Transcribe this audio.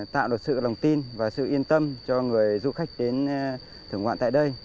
tạo được sự lòng tin và sự yên tâm cho người du khách đến thưởng ngoạn tại đây